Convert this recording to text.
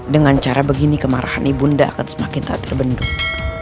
dengan cara begini kemarahan ibunda akan semakin tak terbendung